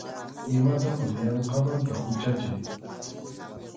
Imatapas yanqamanta huchachay.